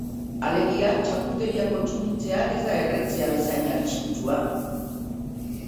Alegia, txarkuteria kontsumitzea ez da erretzea bezain arriskutsua.